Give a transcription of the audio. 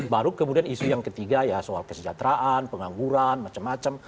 baru kemudian isu yang ketiga ya soal kesejahteraan pengangguran macam macam